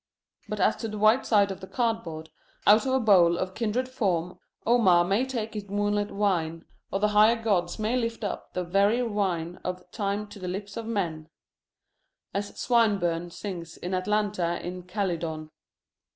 But as to the white side of the cardboard, out of a bowl of kindred form Omar may take his moonlit wine, or the higher gods may lift up the very wine of time to the lips of men, as Swinburne sings in Atalanta in Calydon.